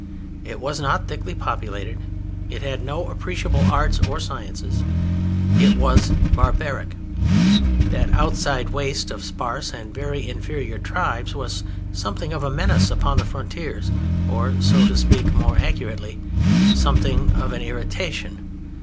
It was not thickly populated, it had no appreciable arts or sciences, it was barbaric. That outside waste of sparse and very inferior tribes was something of a menace upon the frontiers, or, to speak more accurately, something of an irritation.